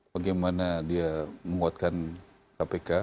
bagaimana dia membuatkan kpk